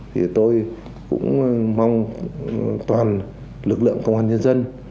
thì tôi cũng mong toàn lực lượng công an nhân dân